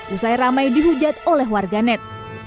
usai ramai dihujat oleh warga net